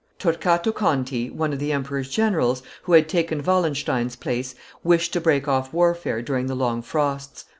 Torquato Conti, one of the emperor's generals, who had taken Wallenstein's place, wished to break off warfare during the long frosts.